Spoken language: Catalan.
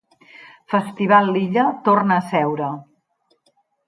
Festival l'Illa torna a seure.